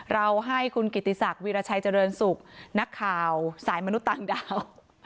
เราให้คุณกิติศักดิราชัยเจริญสุขนักข่าวสายมนุษย์ต่างดาว